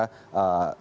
tempat mereka berasal